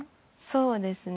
そうですね。